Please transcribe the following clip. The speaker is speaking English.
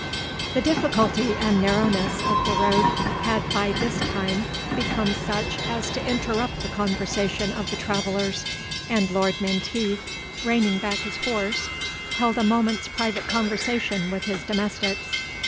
The difficulty and narrowness of the road had by this time become such as to interrupt the conversation of the travellers, and Lord Menteith, reining back his horse, held a moment's private conversation with his domestics.